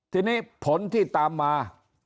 ทีนี้ผลที่ตามมา